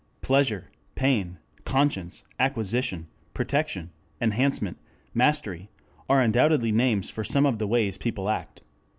Pleasure, pain, conscience, acquisition, protection, enhancement, mastery, are undoubtedly names for some of the ways people act.